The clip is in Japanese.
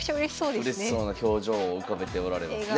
うれしそうな表情を浮かべておられますね。